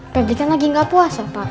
pergi kan lagi nggak puasa pak